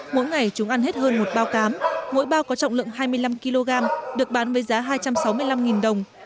mỗi ngày chúng ăn hết hơn một bao cám mỗi bao có trọng lượng hai mươi năm kg được bán với giá hai trăm sáu mươi năm đồng